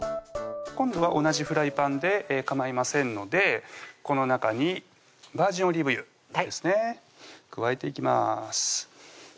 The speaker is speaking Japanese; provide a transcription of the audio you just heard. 今度は同じフライパンでかまいませんのでこの中にバージンオリーブ油ですね加えていきます